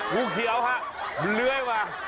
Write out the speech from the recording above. มูเขียวเบลื้อยมา